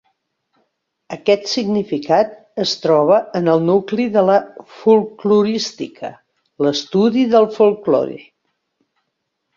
Aquest significat es troba en el nucli de la folklorística, l'estudi del folklore.